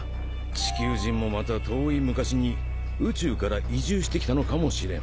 地球人もまた遠い昔に茲移住してきたのかもしれん。